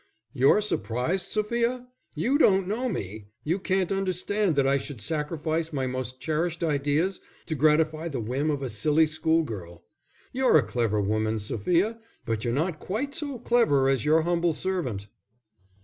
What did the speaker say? "You're surprised, Sophia? You don't know me; you can't understand that I should sacrifice my most cherished ideas to gratify the whim of a silly school girl. You're a clever woman, Sophia but you're not quite so clever as your humble servant."